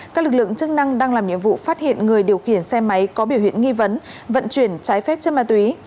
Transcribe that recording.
các lực lượng chức năng đang làm nhiệm vụ phát hiện người điều khiển xe máy có biểu hiện nghi vấn vận chuyển trái phép chân ma túy